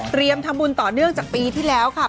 ทำบุญต่อเนื่องจากปีที่แล้วค่ะ